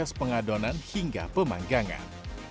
proses pengadonan hingga pemanggangan